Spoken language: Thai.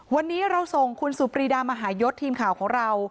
วันนี้เราส่งคุณสุปรีดามหายศทีมข่าวของเรา